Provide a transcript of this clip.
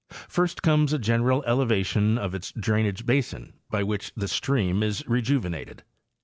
First comes a general elevation of its drainage basin, by which the stream is rejuvenated.